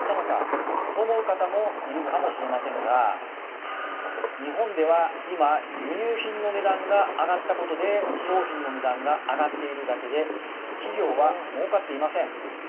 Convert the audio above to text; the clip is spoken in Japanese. と思う方もいるかもしれませんが日本では今輸入品の値段が上がったことで商品の値段が上がっているだけで企業は儲かっていません